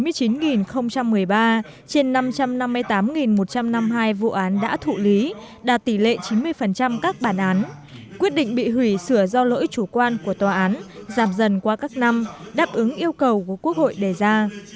trong năm trăm năm mươi tám một trăm năm mươi hai vụ án đã thụ lý đạt tỷ lệ chín mươi các bản án quyết định bị hủy sửa do lỗi chủ quan của tòa án giảm dần qua các năm đáp ứng yêu cầu của quốc hội đề ra